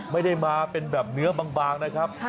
ไม่ได้มาเป็นแบบเนื้อบางนะครับ